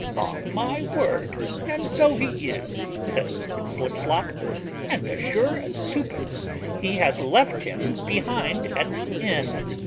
"On my word, and so he is," says Slipslop: "and as sure as twopence he hath left him behind at the inn."